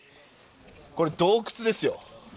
これ洞窟ですよ。